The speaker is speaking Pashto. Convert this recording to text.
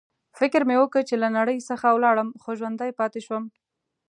فکر مې وکړ چې له نړۍ څخه ولاړم، خو ژوندی پاتې شوم.